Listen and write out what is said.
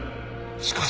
しかし。